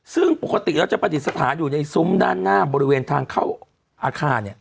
ซึ่งปกติเราจะประดิษฐานอยู่ในซุ้มด้านหน้าบริเวณทางเข้าอาคาร